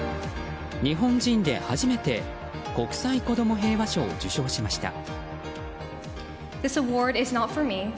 日本人で初めて国際子ども平和賞を受賞しました。